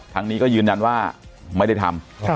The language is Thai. ทางนี้ก็ยืนยันว่าไม่ได้ทำ